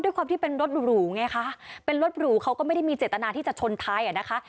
ด้วยความที่เป็นรถหรูไงคะเป็นรถหรูเขาก็ไม่ได้มีเจตนาที่จะชนท้ายอ่ะนะคะ